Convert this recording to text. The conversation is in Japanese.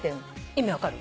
意味分かる？